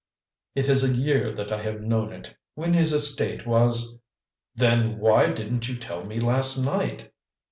"It is a year that I have known it; when his estate was " "Then why didn't you tell me last night?"